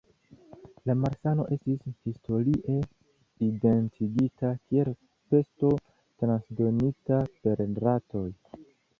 La malsano estis historie identigita kiel pesto transdonita per ratoj.